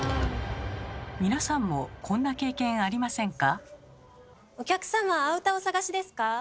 皆さんもこんな経験ありませんか？